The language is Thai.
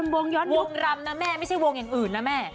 วงย้อนวงรำนะแม่ไม่ใช่วงอย่างอื่นนะแม่